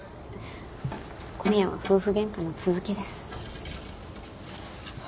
今夜は夫婦ゲンカの続きです。